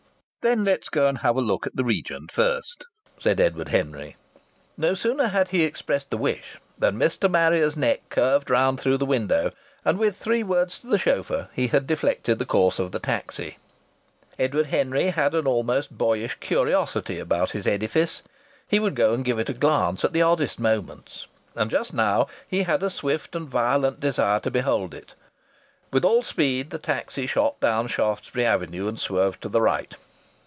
"Then let's go and have a look at the Regent first," said Edward Henry. No sooner had he expressed the wish than Mr. Harrier's neck curved round through the window, and with three words to the chauffeur he had deflected the course of the taxi. Edward Henry had an almost boyish curiosity about his edifice. He would go and give it a glance at the oddest moments. And just now he had a swift and violent desire to behold it. With all speed the taxi shot down Shaftesbury Avenue and swerved to the right....